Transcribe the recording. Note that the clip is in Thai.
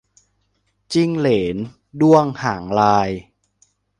จิ้งเหลนด้วงหางลาย